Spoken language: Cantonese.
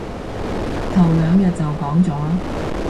頭兩日就講咗